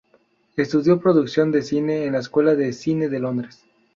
Estudió producción de cine en la Escuela de Cine de Londres.